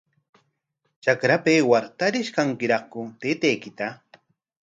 Trakrapa aywar, ¿tarish kankiraqku taytaykita?